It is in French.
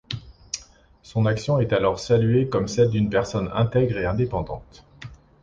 Son action est alors saluée comme celle d'une personne intègre et indépendante.